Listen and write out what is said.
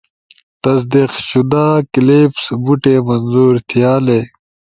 تصدیق شدہ کلپس، بوٹے منظور تھیالے